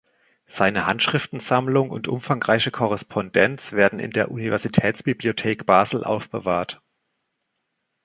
Seine Handschriftensammlung und umfangreiche Korrespondenz werden in der Universitätsbibliothek Basel aufbewahrt.